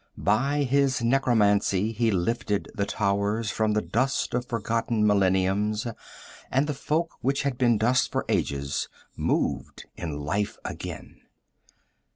By his necromancy he lifted the towers from the dust of forgotten millenniums, and the folk which had been dust for ages moved in life again.